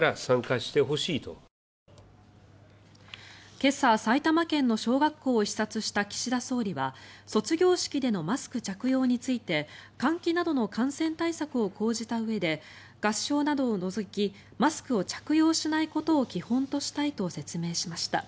今朝、埼玉県の小学校を視察した岸田総理は卒業式でのマスク着用について換気などの感染対策を講じたうえで合唱などを除きマスクを着用しないことを基本としたいと説明しました。